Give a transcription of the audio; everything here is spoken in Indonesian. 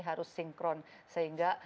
harus sinkron sehingga